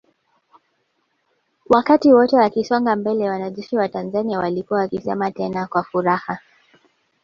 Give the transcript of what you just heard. Wakati wote wakisonga mbele wanajeshi wa Tanzania walikuwa wakisema tena kwa furaha